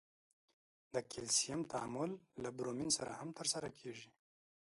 د کلسیم تعامل له برومین سره هم ترسره کیږي.